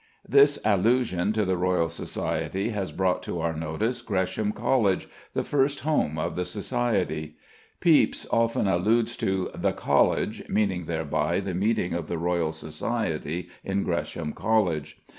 This allusion to the Royal Society has brought to our notice Gresham College, the first home of the Society. Pepys often alludes to "The College," meaning thereby the meetings of the Royal Society in Gresham College.